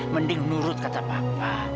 mending nurut kata papa